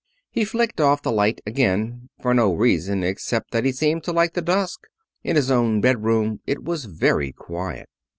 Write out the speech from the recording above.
He flicked off the light again, for no reason except that he seemed to like the dusk. In his own bedroom it was very quiet.